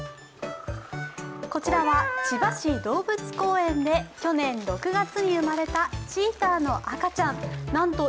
こちらは千葉市動物公園で去年６月に生まれたチーターの赤ちゃん。